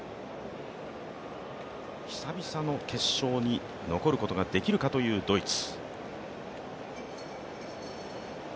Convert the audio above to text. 久々の決勝に残ることができるかというドイツ。